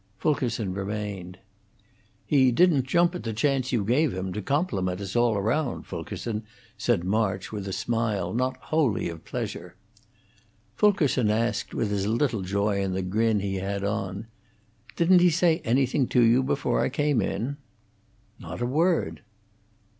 Fulkerson remained. "He didn't jump at the chance you gave him to compliment us all round, Fulkerson," said March, with a smile not wholly of pleasure. Fulkerson asked, with as little joy in the grin he had on, "Didn't he say anything to you before I came in?" "Not a word."